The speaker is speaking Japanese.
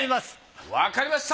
わかりました。